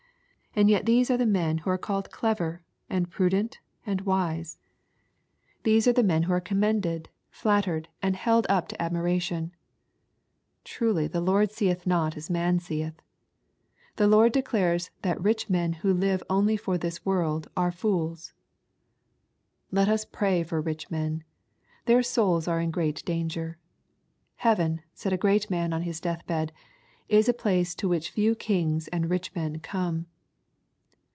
And yet these are the men who are called clever, and prudent, and wise 1 These are the 4 V4 EXPOSITORY THOUGHTS. men wLo are commended, and flattered, and held up to admiration ! Truly the Lord seetli not as man seeth ! The Lord declares that rich men who live only for this world are " fools." Let us pray for rich men. Their souls are in great danger. " Heaven," said a great man on his death bed, "is a place to which few kings and rich men come.''